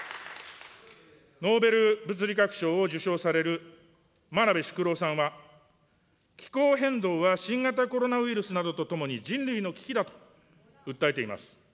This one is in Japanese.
ノーベル物理学賞を受賞される真鍋淑郎さんは、気候変動は新型コロナウイルスなどとともに人類の危機だと訴えています。